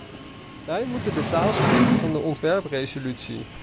Wij moeten de taal spreken van de ontwerpresolutie.